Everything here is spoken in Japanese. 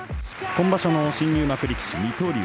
今場所の新入幕力士水戸龍。